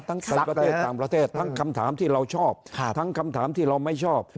ในประเทศต่างประเทศทั้งคำถามที่เราชอบทั้งคำถามที่เราไม่ชอบ